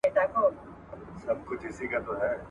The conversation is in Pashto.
ايا ته زدکړه کوې.